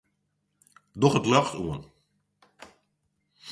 Doch it ljocht oan.